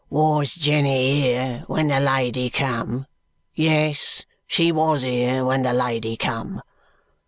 "Wos Jenny here when the lady come? Yes, she wos here when the lady come.